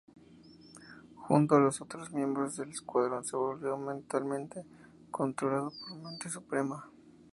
Junto a los otros miembros del Escuadrón, se volvió mentalmente controlado por Mente Suprema.